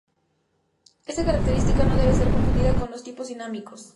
Esta característica no debe ser confundida con los tipos dinámicos.